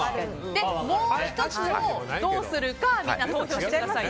もう１つをどうするかみんな投票してください